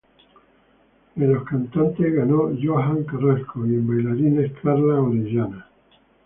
En los cantantes ganó Johanne Carrasco y en bailarines Karla Orellana.